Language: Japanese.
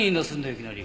いきなり。